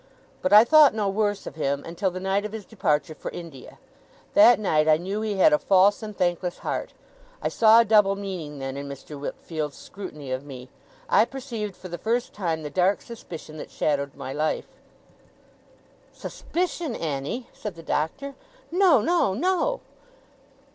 But I thought no worse of him, until the night of his departure for India. That night I knew he had a false and thankless heart. I saw a double meaning, then, in Mr. Wickfield's scrutiny of me. I perceived, for the first time, the dark suspicion that shadowed my life.' 'Suspicion, Annie!' said the Doctor. 'No, no, no!